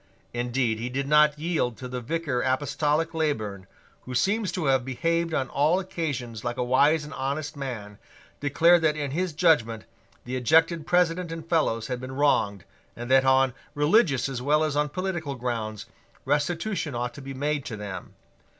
Indeed he did not yield till the Vicar Apostolic Leyburn, who seems to have behaved on all occasions like a wise and honest man, declared that in his judgment the ejected President and Fellows had been wronged, and that, on religious as well as on political grounds, restitution ought to be made to them.